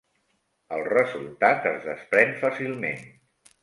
El resultat es desprèn fàcilment.